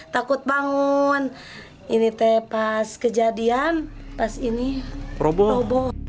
takut bangun ini tepas kejadian pas ini proboh